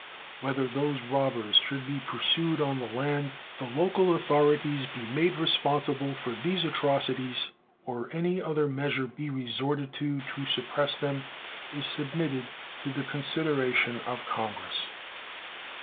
Whether those robbers should be pursued on the land, the local authorities be made responsible for these atrocities, or any other measure be resorted to to suppress them, is submitted to the consideration of Congress.